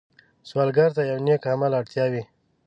سوالګر ته د یو نېک عمل اړتیا وي